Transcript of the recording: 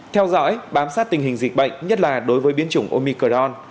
theo dõi bám sát tình hình dịch bệnh nhất là đối với biến chủng omicorn